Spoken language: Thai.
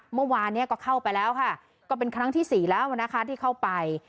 เมื่อวานเนี่ยก็เข้าไปแล้วค่ะก็เป็นครั้งที่สี่แล้วนะคะที่เข้าไป